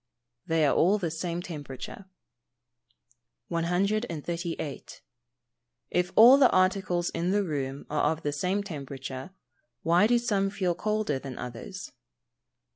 _ They are all of the same temperature. 138. _If all the articles in the room are of the same temperature, why do some feel colder than others?